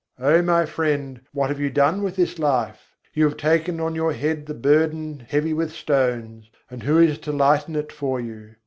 O my friend, what have you done with this life? You have taken on your head the burden heavy with stones, and who is to lighten it for you?